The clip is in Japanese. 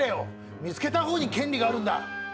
見つけた方に権利があるんだ。